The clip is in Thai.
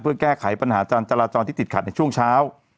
เพื่อแก้ไขปัญหาการจราจรที่ติดขัดในช่วงเช้า